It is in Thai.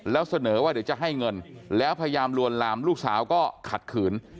แล้วเสนอว่าเดี๋ยวจะให้เงินแล้วพยายามลวนลามลูกสาวก็ขัดขืน